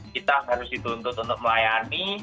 kita harus dituntut untuk melayani